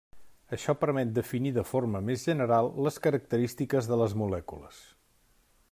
Això permet definir de forma més general les característiques de les molècules.